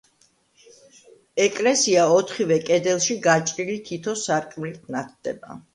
ეკლესია ოთხივე კედელში გაჭრილი თითო სარკმლით ნათდება.